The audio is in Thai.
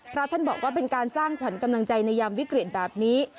พระท่านบอกว่าเป็นการสร้างขวัญกำลังใจในยามวิกฤตแบบนี้